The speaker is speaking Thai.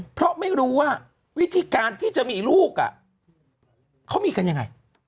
เพราะไม่รู้ว่าวิธีการที่จะมีลูกเขามีกันยังไง